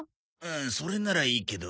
それならいいけど。